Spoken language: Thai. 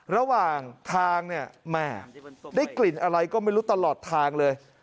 ระหว่างทางเนี่ยแม่ได้กลิ่นอะไรก็ไม่รู้ตลอดทางเลย